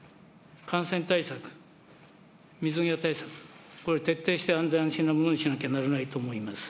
感染対策、水際対策、これ、徹底して安全安心なものにしなきゃならないと思います。